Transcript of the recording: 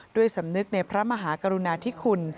ด้วยสำนึกในพระมหากรุณาธิคุณ